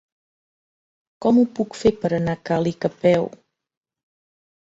Com ho puc fer per anar a Càlig a peu?